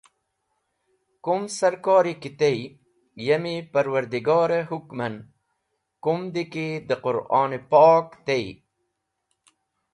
Kum sarkori ki tey, yemi Parwardigor-e hũkm en kumd ki d̃ Qũ’ron- Pok tey.